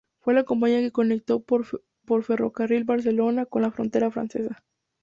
Fue la compañía que conectó por ferrocarril Barcelona con la frontera francesa.